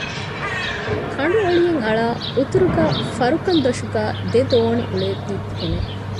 ކަނޑު އޮޅިއެއް އަޅައި އުތުރުގައި ފަރުކަން ދޮށުގައި ދެ ދޯނި އުޅޭތީ ފެނެ